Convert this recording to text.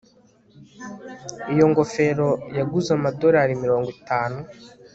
Iyo ngofero yaguze amadorari mirongo itanu